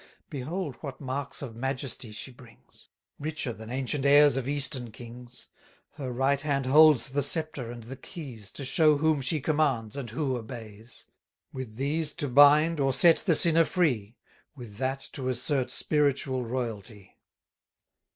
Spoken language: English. Behold what marks of majesty she brings; 520 Richer than ancient heirs of eastern kings! Her right hand holds the sceptre and the keys, To show whom she commands, and who obeys: With these to bind, or set the sinner free, With that to assert spiritual royalty.